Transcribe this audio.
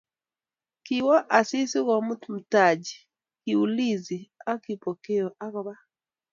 Kiwo Asisi komut mtaje, kiulizi ak Kipokeo akoba